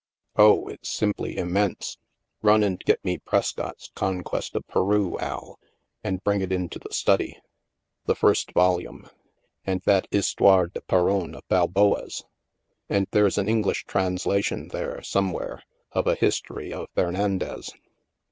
... Oh, it's simply immense! Run and get me Prescott's * Conquest of Peru,' Al, and bring it into the study. The first volume. And that Histoire de Peron of Balboa's. And there's an English translation there, somewhere, of a history of Fernandez.